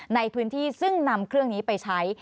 ในพื้นที่ซึ่งนำเครื่องนี้ไปใช้